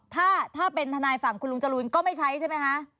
ถ้าเป็นทนายฝั่งคุณลุงจรูนก็ไม่ใช้ใช่ไหมคะ